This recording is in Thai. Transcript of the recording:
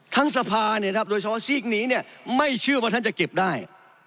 ทั้งสภาเนี่ยครับโดยเฉพาะซีกหนีเนี่ยไม่เชื่อว่าท่านจะเก็บได้